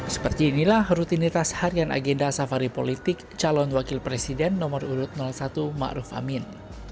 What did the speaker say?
seperti inilah rutinitas harian agenda safari politik calon wakil presiden nomor satu ma'ruf amin